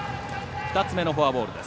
２つ目のフォアボールです。